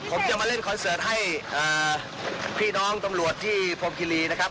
ผมจะมาเล่นคอนเสิร์ตให้พี่น้องตำรวจที่พรมคิรีนะครับ